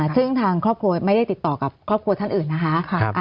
ซึ่งทางครอบครัวไม่ได้ติดต่อกับครอบครัวท่านอื่นนะคะ